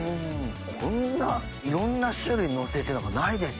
こんないろんな種類のせてとかないですよね。